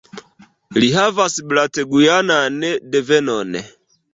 Li havas barat-gujanan devenon.